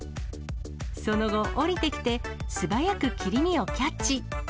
その後、降りてきて素早く切り身をキャッチ。